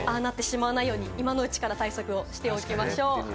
今のうちから対策をしておきましょう。